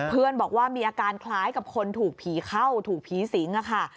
บอกว่ามีอาการคล้ายกับคนถูกผีเข้าถูกผีสิงค่ะ